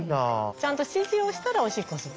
ちゃんと指示をしたらおしっこする。